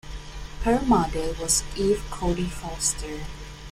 Her mother was Eve Cody Foster.